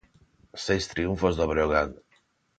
Seis triunfos do Breogán.